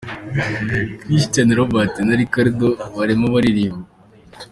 Christian Robert na Ricardo barimo baririmba.